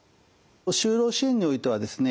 就労支援においてはですね